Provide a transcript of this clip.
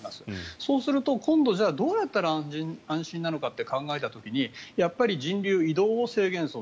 そうすると、今度どうやったら安心なのかって考えた時にやっぱり人流移動を制限する。